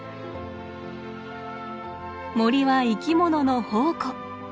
森は生き物の宝庫。